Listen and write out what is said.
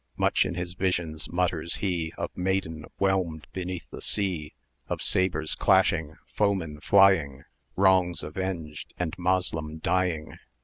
Much in his visions mutters he Of maiden whelmed beneath the sea;[dv] Of sabres clashing, foemen flying, Wrongs avenged, and Moslem dying.